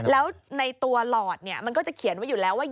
แล้วในตัวหลอดมันก็จะเขียนไว้อยู่แล้วว่า